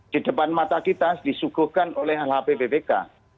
di depan mata kita disuguhkan oleh hal hp bpk